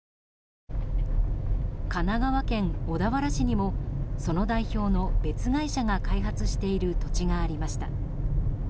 神奈川県小田原市にもその代表の別会社が開発している土地がありました。